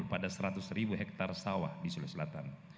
pada seratus hektar sawah di sulawesi selatan